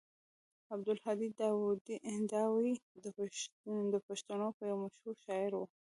عبدالهادي داوي د پښتنو يو مشهور شاعر و.